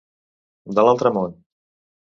De l'altre món.